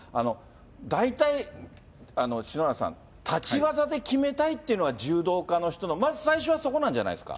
大体、篠原さん、立ち技で決めたいっていうのは、柔道家の人の、まず最初はそこなんじゃないですか。